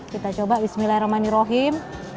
kita coba bismillahirrahmanirrahim